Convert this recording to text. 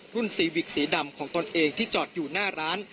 ซีวิกสีดำของตนเองที่จอดอยู่หน้าร้าน